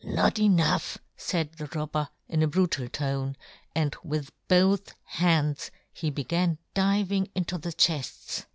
" Not enough," faid the robber, in a brutal tone, and with both hands he began diving into the chefts.